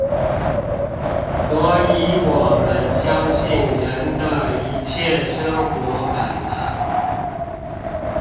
所以我們相信人的一切生活本能